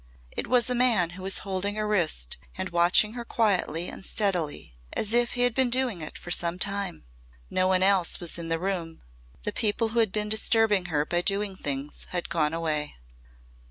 It was a man who was holding her wrist and watching her quietly and steadily as if he had been doing it for some time. No one else was in the room. The people who had been disturbing her by doing things had gone away.